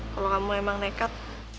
kalau kamu emang nekat